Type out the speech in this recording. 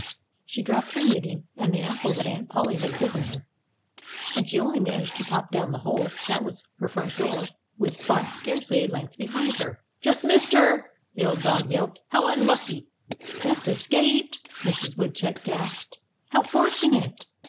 She dropped her knitting and the apple that Aunt Polly had given her. And she only managed to pop down the hole that was her front door with Spot scarcely a length behind her. "Just missed her!" the old dog yelped. "How unlucky!" "Just escaped!" Mrs. Woodchuck gasped. "How fortunate!"